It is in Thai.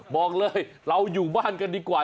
บอกเลยเราอยู่บ้านกันดีกว่า